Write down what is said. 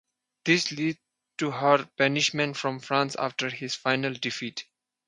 This led to her banishment from France after his final defeat.